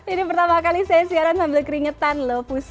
ini pertama kali saya siaran sambil keringetan loh pusi